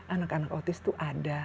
anak anak autis itu ada